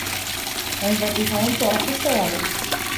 عند الرهان تعرف السوابق